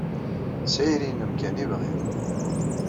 D tayri-nnem kan ay bɣiɣ.